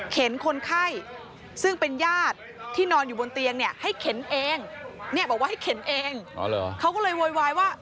เข็นคนไข้ซึ่งเป็นญาติที่นอนอยู่บนเตียงเนี่ย